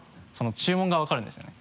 注文が分かるんですね。